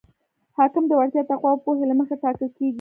حاکم د وړتیا، تقوا او پوهې له مخې ټاکل کیږي.